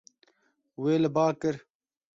Wê li ba kir.